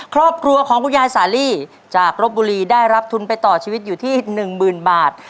ครอบครัวของกุญญาณสาลีจากรบบุรีได้รับทุนไปต่อชีวิตอยู่ที่๑๐๐๐๐บาท